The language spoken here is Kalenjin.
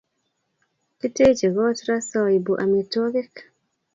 Kitechi kot raa soibu amitwakik